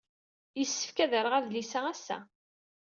Yessefk ad rreɣ adlis-a ass-a.